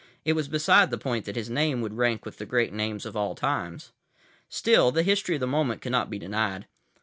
It was beside the point that his name would rank with the great names of all times. Still, the history of the moment could not be denied.